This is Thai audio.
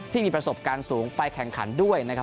ที่มีประสบการณ์สูงไปแข่งขันด้วยนะครับ